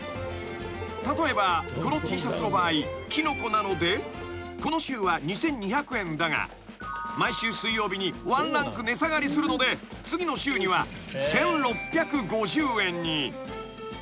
［例えばこのＴシャツの場合きのこなのでこの週は２，２００円だが毎週水曜日にワンランク値下がりするので次の週には１，６５０円に］